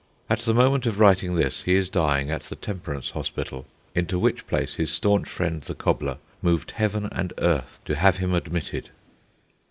At the moment of writing this, he is dying at the Temperance Hospital, into which place his staunch friend, the cobbler, moved heaven and earth to have him admitted.